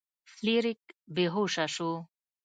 فلیریک بې هوښه شو.